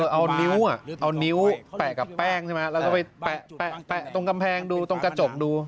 เอานิ้วเอานิ้วแปะกับแป้งใช่ไหมแล้วก็ไปแปะตรงกำแพงดูตรงกระจกดู